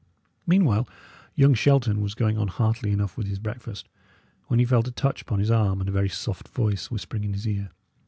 Meanwhile, young Shelton was going on heartily enough with his breakfast, when he felt a touch upon his arm, and a very soft voice whispering in his ear.